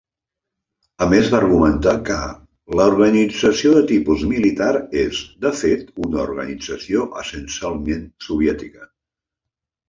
A més, va argumentar que "la organització de tipus militar és, de fet, una organització essencialment soviètica".